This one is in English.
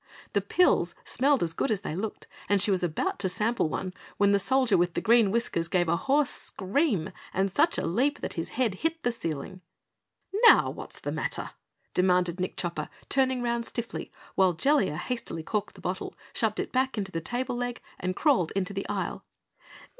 The pills smelled as good as they looked and she was about to sample one, when the Soldier with Green Whiskers gave a hoarse scream and such a leap that his head hit the ceiling. "Now what's the matter?" demanded Nick Chopper, turning around stiffly, while Jellia hastily corked the bottle, shoved it back into the tableleg and crawled into the aisle.